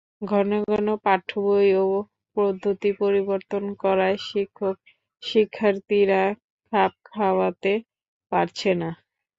ঘন ঘন পাঠ্যবই ও পদ্ধতি পরিবর্তন করায় শিক্ষকশিক্ষার্থীরা খাপ খাওয়াতে পারছে না।